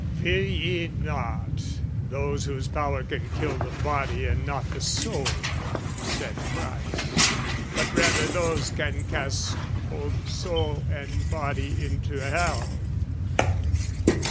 "Fear ye not those whose power can kill the body "And not the soul," saith Christ "but rather those "Can cast both soul and body into hell!"